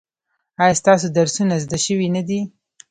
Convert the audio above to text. ایا ستاسو درسونه زده شوي نه دي؟